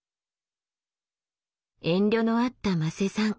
遠慮のあった馬瀬さん。